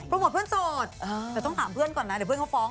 โมทเพื่อนโสดแต่ต้องถามเพื่อนก่อนนะเดี๋ยวเพื่อนเขาฟ้อง